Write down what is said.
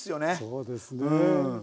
そうですね。